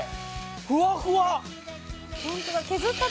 ふわふわ！